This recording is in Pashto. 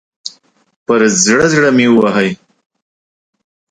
پر زړه، زړه مې ووهئ